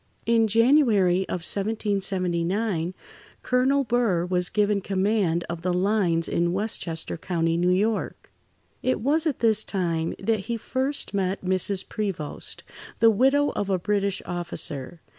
In January of 1779, Colonel Burr was given command of the "lines" in Westchester County, New York. It was at this time that he first met Mrs. Prevost, the widow of a British officer.